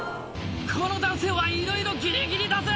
この男性はいろいろギリギリだぜ！